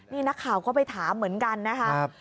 นี่นักข่าวก็ไปถามเหมือนกันนะครับ